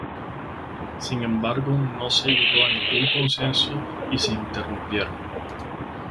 Sin embargo, no se llegó a ningún consenso y se interrumpieron.